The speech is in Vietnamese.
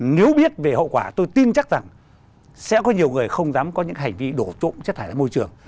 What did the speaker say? nếu biết về hậu quả tôi tin chắc rằng sẽ có nhiều người không dám có những hành vi đổ trộm chất thải ra môi trường